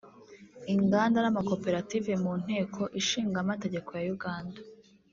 Inganda n’Amakoperative mu Nteko Ishinga Amategeko ya Uganda